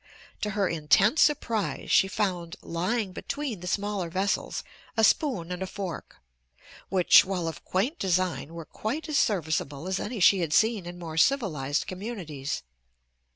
To her intense surprise she found lying between the smaller vessels a spoon and a fork, which, while of quaint design, were quite as serviceable as any she had seen in more civilized communities.